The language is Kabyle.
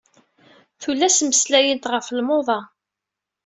Tullas meslayent ɣef lmuḍa.